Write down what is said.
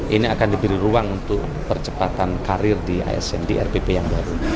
ini akan diberi ruang untuk percepatan karir di asn di rpp yang baru